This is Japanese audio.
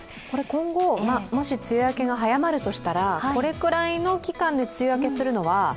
今後、もし梅雨明けが早まるとしたら、これくらいの期間で梅雨明けするのは？